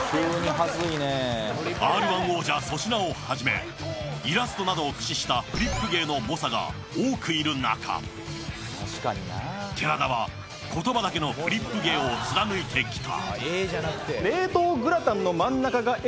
Ｒ−１王者・粗品をはじめイラストなどを駆使したフリップ芸の猛者が多くいる中寺田は言葉だけのフリップ芸を貫いてきた。